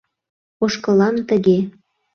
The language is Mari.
— Ошкылам тыге...